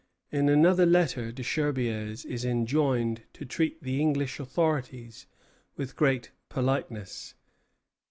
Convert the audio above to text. In another letter Desherbiers is enjoined to treat the English authorities with great politeness.